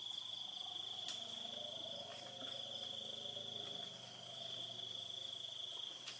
ติดต่อไปแล้ว